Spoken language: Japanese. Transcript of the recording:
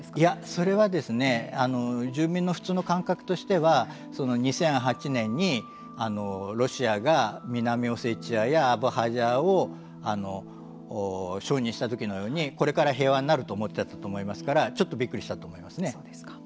それは住民の普通の感覚としては２００８年にロシアが南オセチアやアブハジアを承認したときのようにこれから平和になると思ってたと思いますからちょっとびっくりしたと思いますね。